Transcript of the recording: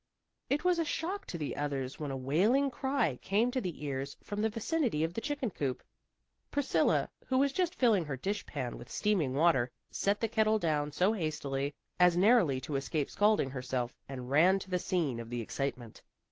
It was a shock to the others when a wailing cry came to their ears from the vicinity of the chicken coop. Priscilla, who was just filling her dish pan with steaming water, set the kettle down so hastily as narrowly to escape scalding herself, and ran to the scene of the excitement.